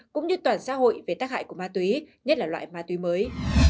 cũng như toàn xã hội về tác hại của ma túy nhất là loại ma túy mới